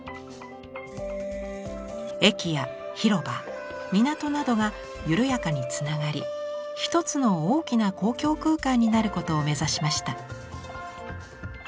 駅や広場港などが緩やかにつながり一つの大きな公共空間になることを目指しました。